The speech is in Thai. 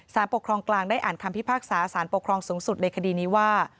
ปกครองกลางได้อ่านคำพิพากษาสารปกครองสูงสุดในคดีนี้ว่า